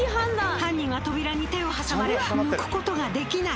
犯人は扉に手を挟まれ抜く事ができない。